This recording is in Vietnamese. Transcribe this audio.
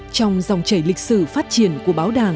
trong dòng chảy lịch sử phát triển của báo đảng